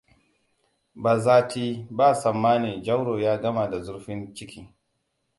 Ba zati ba tsammani Jauro ya gama da zurfin ciki.